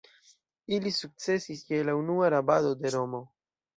Ili sukcesis je la unua rabado de Romo.